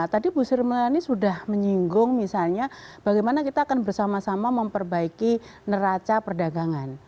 tadi bu sri mulyani sudah menyinggung misalnya bagaimana kita akan bersama sama memperbaiki neraca perdagangan